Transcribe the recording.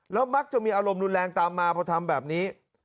แล้วมักจะมีอารมณ์รุนแรงตามมาพอทำแบบนี้